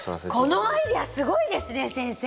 このアイデアすごいですね先生。